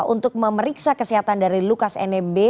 untuk memeriksa kesehatan dari lukas nmb